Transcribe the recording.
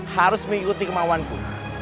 harus mengikuti kemauanku